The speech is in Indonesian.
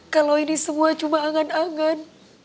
kalau ini semua cuma angan angan